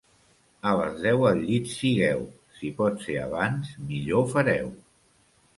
A les deu al llit sigueu; si pot ser abans, millor fareu.